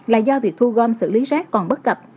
là do việc thu gom xử lý rác còn bất cập